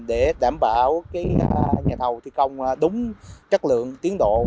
để đảm bảo nhà thầu thi công đúng chất lượng tiến độ